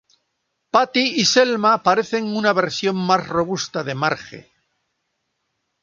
Patty y Selma parecen una versión más robusta de Marge.